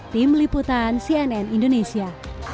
tim liputan cnn indonesia